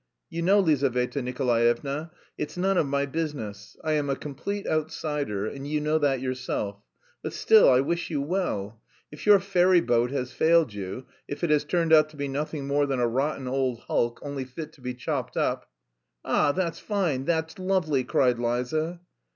You know, Lizaveta Nikolaevna, it's none of my business. I am a complete outsider, and you know that yourself. But, still, I wish you well.... If your 'fairy boat' has failed you, if it has turned out to be nothing more than a rotten old hulk, only fit to be chopped up..." "Ah! That's fine, that's lovely," cried Liza.